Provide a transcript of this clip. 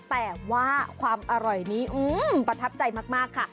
แต่ว่าความอร่อยนี้ประทับใจมากค่ะ